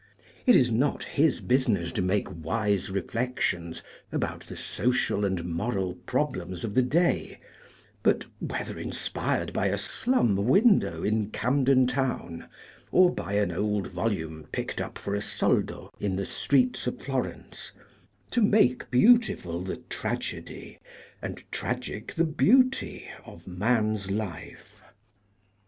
It is not his busi ness to make wise reflections about the social and moral problems of the day, but, whether inspired by a slum window in Camden Town or by an old volume picked up for a soldo in the streets of Florence, to make beautiful the tragedy, and tragic the beauty, of man's life.